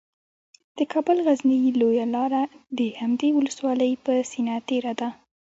د کابل غزني لویه لاره د همدې ولسوالۍ په سینه تیره ده